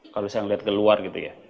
kalau saya melihat ke luar gitu ya